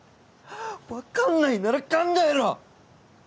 分かんないなら考えろ！